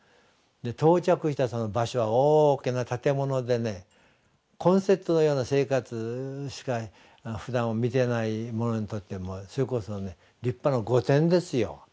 で到着したその場所は大きな建物でねコンセットのような生活しかふだんは見てない者にとってはそれこそ立派な御殿ですよ